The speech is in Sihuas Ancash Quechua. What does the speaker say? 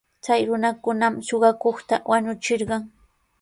Chay runakunam suqakuqta wañuchirqan.